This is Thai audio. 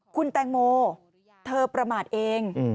คุณแตงโมเธอประมาทเอง